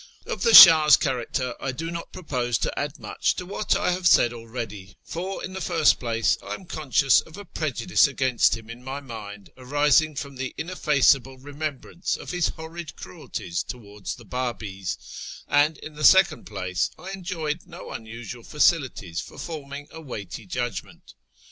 Of the Shah's character I do not propose to add much to what I have said already, for, in the first place, I am con scious of a prejudice against him in my mind arising from the ineffaceable remembrance of his horrid cruelties towards the Babis ; and, in the second place, I enjoyed no unusual facilities for forming a weighty judgment.